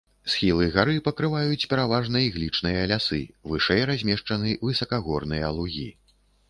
Схілы гары пакрываюць пераважна іглічныя лясы, вышэй размешчаны высакагорныя лугі.